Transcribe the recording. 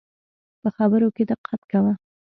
په خبرو کي دقت کوه